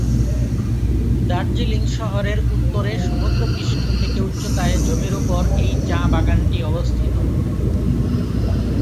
দার্জিলিং শহরের উত্তরে সমুদ্রপৃষ্ঠ থেকে উচ্চতায় জমির উপর এই চা বাগানটি অবস্থিত।